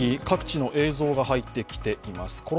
各地の映像が入ってきています。